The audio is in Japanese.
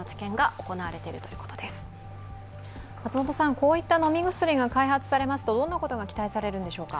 こういった飲み薬が開発されますと、どんなことが期待されるんでしょうか。